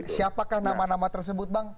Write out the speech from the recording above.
siapakah nama nama tersebut bang